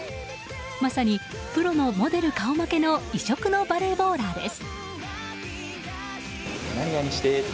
まさにプロのモデル顔負けの異色のバレーボーラーです。